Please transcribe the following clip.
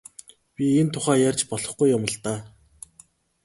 Би энэ тухай ярьж болохгүй юм л даа.